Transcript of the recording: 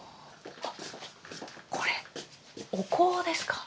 これお香ですか？